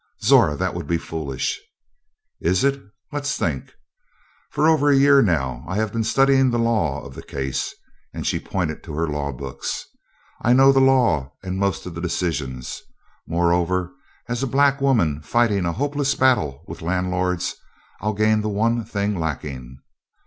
"Zora! That would be foolish!" "Is it? Let's think. For over a year now I've been studying the law of the case," and she pointed to her law books; "I know the law and most of the decisions. Moreover, as a black woman fighting a hopeless battle with landlords, I'll gain the one thing lacking."